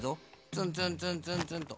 ツンツンツンツンツンと。